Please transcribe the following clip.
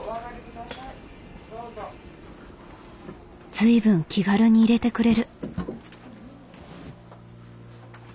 随分気軽に入れてくれる。